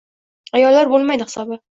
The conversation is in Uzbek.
Ayollar boʻlmaydi hisobi.